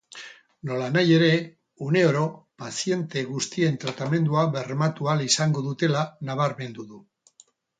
Nolanahi ere, uneoro paziente guztien tratamendua bermatu ahal izango dutela nabarmendu du.